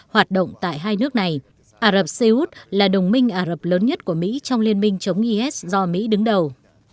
hoạt động tại hai nước này ả rập xê út là đồng minh ả rập lớn nhất của mỹ trong liên minh chống is do mỹ đứng đầu